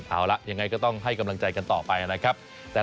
เอาละยังไงก็ต้องให้กำลังใจกันต่อไปนะครับ